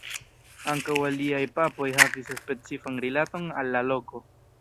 Ankaŭ aliaj papoj havis specifan rilaton al la loko.